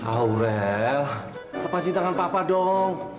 aurel apa sih dengan papa dong